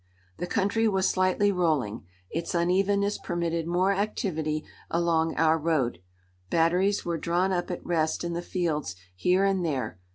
The country was slightly rolling. Its unevenness permitted more activity along our road. Batteries were drawn up at rest in the fields here and there.